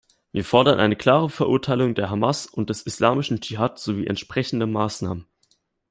Wir fordern eine klare Verurteilung der Hamas und des Islamischen Jihad sowie entsprechende Maßnahmen.